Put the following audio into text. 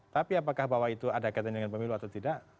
tapi apakah bahwa itu ada kaitan dengan pemilu atau tidak